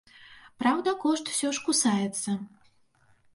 Праўда, кошт усё ж кусаецца.